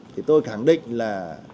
thì tôi khẳng định là